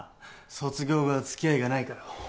卒業後は付き合いがないから。